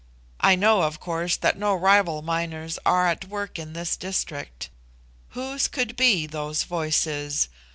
I know, of course, that no rival miners are at work in this district. Whose could be those voices?